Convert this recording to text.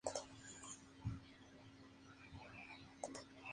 Murió en la guerra de Sertorio.